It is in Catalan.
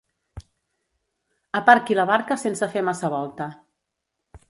Aparqui la barca sense fer massa volta.